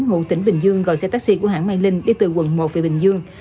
ngụ tỉnh bình dương gọi xe taxi của hãng mai linh đi từ quận một về bình dương